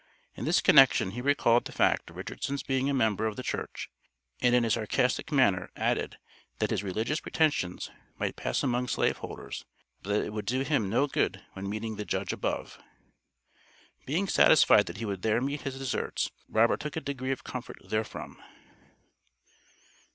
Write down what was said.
In this connection, he recalled the fact of Richardson's being a member of the church, and in a sarcastic manner added that his "religious pretensions might pass among slave holders, but that it would do him no good when meeting the Judge above." Being satisfied that he would there meet his deserts Robert took a degree of comfort therefrom.